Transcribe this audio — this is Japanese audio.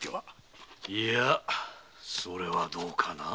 いやそれはどうかな？